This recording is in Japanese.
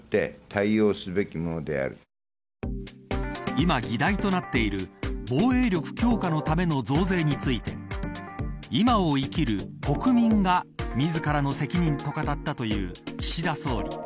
今、議題となっている防衛力強化のための増税について今を生きる国民が自らの責任と語ったという岸田総理。